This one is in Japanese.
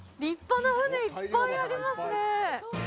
立派な船、いっぱいありますね。